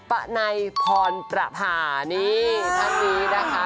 ปะไนพรประพานี่ท่านนี้นะคะ